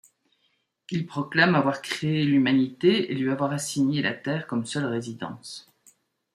Ils proclament avoir créer l'humanité et lui avoir assigné la Terre comme seule résidence.